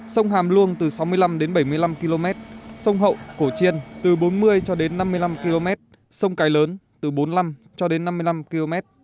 sông hàm luông từ sáu mươi năm đến bảy mươi năm km sông hậu cổ chiên từ bốn mươi cho đến năm mươi năm km sông cái lớn từ bốn mươi năm cho đến năm mươi năm km